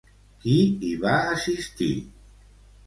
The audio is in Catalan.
Qui hi va assistir?